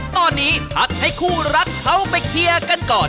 ตอนนี้พักให้คู่รักเขาไปเคลียร์กันก่อน